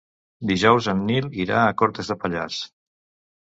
Dijous en Nil irà a Cortes de Pallars.